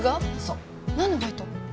そう何のバイト？